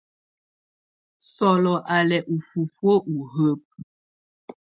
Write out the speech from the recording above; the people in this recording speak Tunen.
Sɔlɔ á lɛ ú fufuǝ́ u hǝ́bǝ.